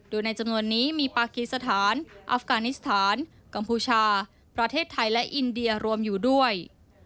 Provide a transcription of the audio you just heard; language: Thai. โดยในจำนวนนี้มีปากีสถานอัฟกานิสถานกัมพูชาประเทศไทยและอินเดียรวมอยู่ด้วย